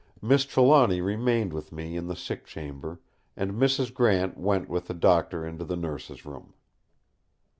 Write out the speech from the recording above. Miss Trelawny remained with me in the sick chamber, and Mrs. Grant went with the Doctor into the Nurse's room.